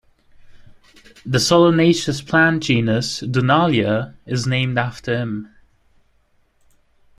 The Solanaceous plant genus "Dunalia" is named after him.